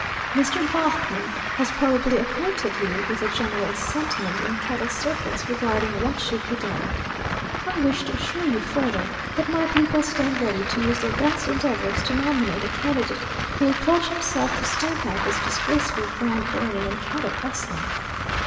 Mr. Baughman has probably acquainted you with the general sentiment in cattle circles regarding what should be done. I wish to assure you further that my people stand ready to use their best endeavors to nominate a candidate who will pledge himself to stamp out this disgraceful brand burning and cattle rustling.